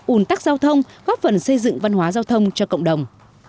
ủn tắc giao thông góp phần xây dựng văn hóa giao thông cho cộng đồng